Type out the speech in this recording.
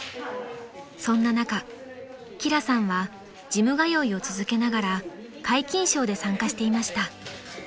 ［そんな中輝さんはジム通いを続けながら皆勤賞で参加していました］